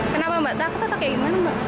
kenapa mbak takut atau kayak gimana mbak